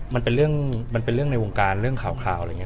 มันเป็นเรื่องในวงการเรื่องข่าวอะไรอย่างนี้